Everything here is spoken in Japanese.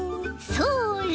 それ！